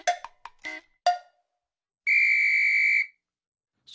ピッ！